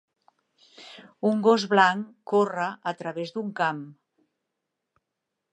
Un gos blanc corre a través d'un camp.